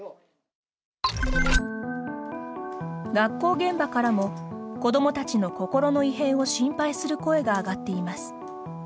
学校現場からも子どもたちの心の異変を心配する声が上がっています。